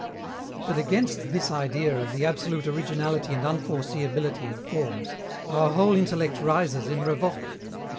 But against this idea of the absolute originality and unforeseeability of forms our whole intellect rises in revolt.